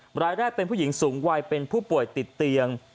รายแรกเป็นผู้หญิงสูงวัยเป็นผู้ป่วยติดเตียง